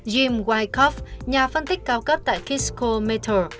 jim wyckoff nhà phân tích cao cấp tại kisco metro